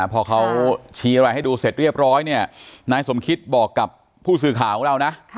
พอเขาชี้อะไรให้ดูเสร็จเรียบร้อยเนี่ยนายสมคิตบอกกับผู้สื่อข่าวของเรานะ